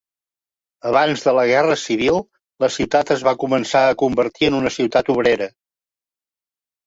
Abans de la Guerra Civil, la ciutat es va començar a convertir en una ciutat obrera.